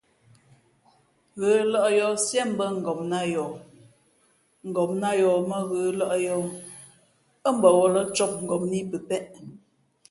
Ghə̌lᾱʼ yǒh siēmbᾱ ngopnā yoh, ngopnā yoh mᾱ ghə̌lᾱʼ yǒh, ά mbαwᾱlᾱ cōp ngopnā ī pəpēʼ.